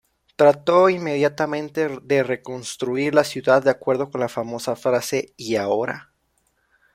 Trató inmediatamente de reconstruir la ciudad, de acuerdo con la famosa frase: ""¿Y ahora?